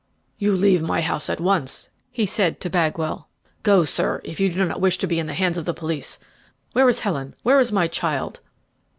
"You leave my house at once," he said to Bagwell; "go, sir, if you do not wish to be in the hands of the police. Where is Helen? where is my child?"